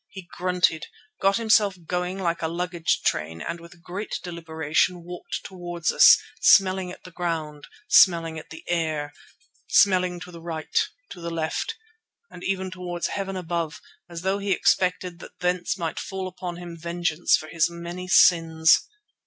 He grunted, got himself going like a luggage train, and with great deliberation walked towards us, smelling at the ground, smelling at the air, smelling to the right, to the left, and even towards heaven above, as though he expected that thence might fall upon him vengeance for his many sins.